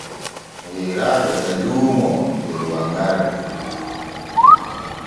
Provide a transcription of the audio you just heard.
Yeeraajo e luumoo der wanŋarde.